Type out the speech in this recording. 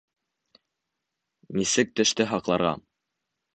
Нисек теште һаҡларға?